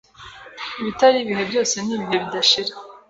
Ibitari ibihe byose nibihe bidashira.